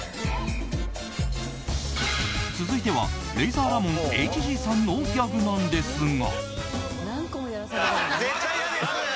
続いてはレイザーラモンＨＧさんのギャグなんですが。